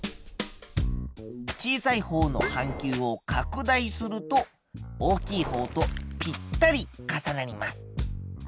小さいほうの半球を拡大すると大きいほうとぴったり重なります。